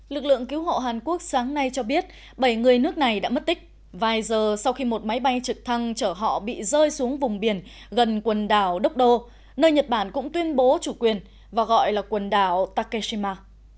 lực lượng cứu hộ hàn quốc sáng nay cho biết bảy người nước này đã mất tích vài giờ sau khi một máy bay trực thăng chở họ bị rơi xuống vùng biển gần quần đảo dokdo nơi nhật bản cũng tuyên bố chủ quyền và gọi là quần đảo takeshima